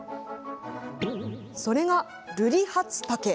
それが、ルリハツタケ。